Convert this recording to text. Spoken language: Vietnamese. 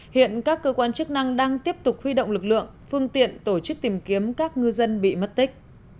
hiện các cơ quan chức năng đang tiếp tục huy động lực lượng phương tiện tổ chức tìm kiếm các ngư dân bị mất tích